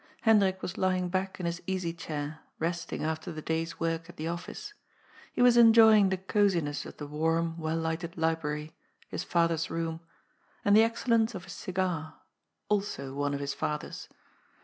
Hendrik was lying back in his easy chair, resting after the day's work at the office. He was enjoying the cosiness of the warm, well lighted library — ^his father's room — ^and the excellence of his cigar — also one of his father's.